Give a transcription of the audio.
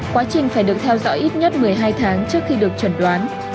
quá trình phải được theo dõi ít nhất một mươi hai tháng trước khi được chuẩn đoán